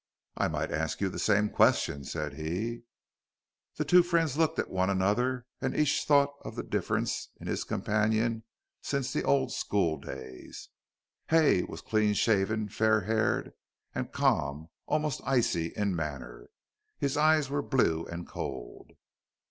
"I might ask you the same question," said he. The two friends looked at one another, and each thought of the difference in his companion since the old school days. Hay was clean shaven, fair haired, and calm, almost icy, in manner. His eyes were blue and cold.